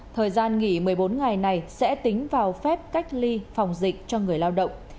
thời gian nghỉ một mươi bốn ngày này sẽ tính vào phép cách ly phòng dịch cho người lao động